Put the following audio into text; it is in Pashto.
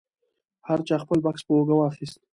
هر چا خپل بکس په اوږه واخیست.